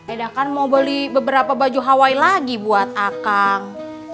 eda kan mau beli beberapa baju hawai lagi buat akang